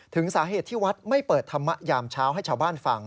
ถึงสาเหตุที่วัดไม่เปิดธรรมะยามเช้าให้ชาวบ้านฟัง